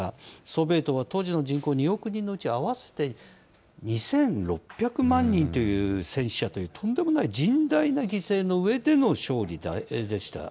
ソビエトは当時の人口２億人のうち、合わせて２６００万人という戦死者という、とんでもない甚大な犠牲の上での勝利でした。